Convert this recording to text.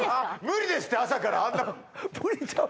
無理ですって朝からあんな無理ちゃう